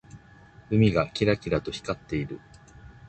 海がキラキラと光っている。